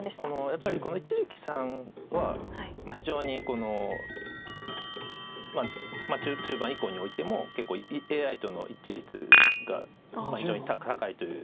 やっぱり一力さんは非常に中盤以降においても結構ＡＩとの一致率が非常に高いという。